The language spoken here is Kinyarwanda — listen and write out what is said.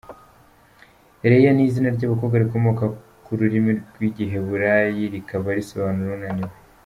Lea ni izina ry’abakobwa rikomoka ku rurimi rw’Igiheburai rikaba risobanura “Unaniwe”.